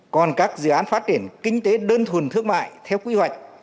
còn các dự án phát triển kinh tế đơn thuần thương mại theo quy hoạch